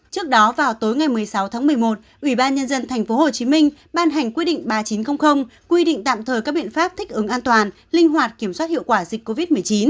trước đó vào tối ngày một mươi sáu tháng một mươi một ủy ban nhân dân tp hcm ban hành quy định ba nghìn chín trăm linh quy định tạm thời các biện pháp thích ứng an toàn linh hoạt kiểm soát hiệu quả dịch covid một mươi chín